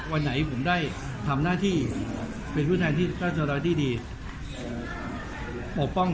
วันไหนผมได้ทำหน้าที่เป็นผู้แทนที่ราชดรที่ดีปกป้อง